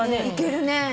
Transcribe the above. いけるね。